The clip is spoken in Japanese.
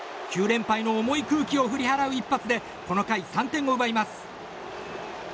９連敗の重い空気を振り払う一発でこの回３点を奪います。